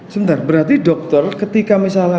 sebentar berarti dokter ketika